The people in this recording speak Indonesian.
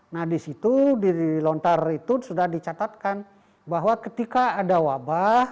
nah di situ di lontar itu sudah dicatatkan bahwa ketika ada wabah